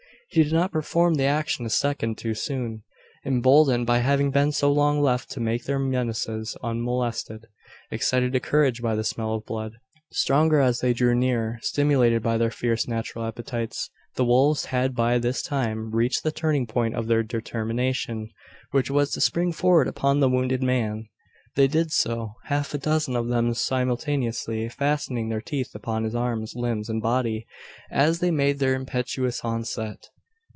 He did not perform the action a second too soon. Emboldened by having been so long left to make their menaces unmolested excited to courage by the smell of blood, stronger as they drew nearer stimulated by their fierce natural appetites the wolves had by this time reached the turning point of their determination: which was, to spring forward upon the wounded man. They did so half a dozen of them simultaneously fastening their teeth upon his arms, limbs, and body, as they made their impetuous onset.